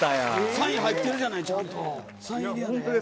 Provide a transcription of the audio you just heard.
サイン入ってるじゃないちゃんと。